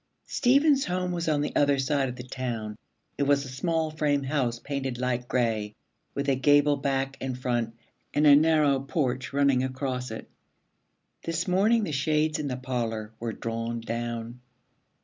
Stephen's home was on the other side of the town. It was a small frame house painted light gray, with a gable back and front, and a narrow porch running across it. This morning the shades in the parlor were drawn down.